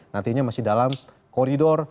nantinya masih dalam koridor